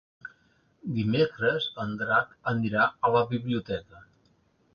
Dimecres en Drac anirà a la biblioteca.